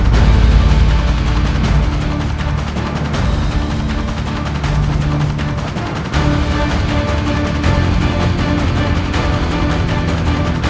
terima kasih bapak